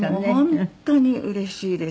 本当にうれしいですね。